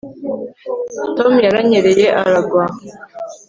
tom yaranyereye aragwa